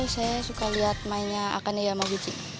saya suka lihat mainnya akane yamaguchi